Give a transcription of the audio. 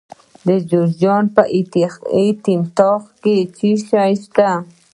د جوزجان په یتیم تاغ کې څه شی شته؟